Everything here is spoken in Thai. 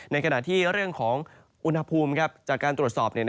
ในขณะที่เรื่องของอุณหภูมิจากการตรวจสอบ